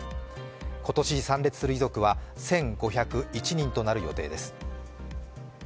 今年参列する遺族は１５０１人となる予定です。